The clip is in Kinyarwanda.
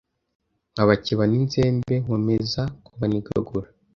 nkabakeba n’inzembe nkomeza kubanigagura